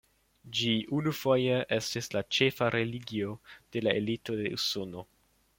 Ĝi unufoje estis la ĉefa religio de la elito de Usono.